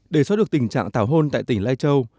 để xóa được tình trạng tảo hôn tại tỉnh lai châu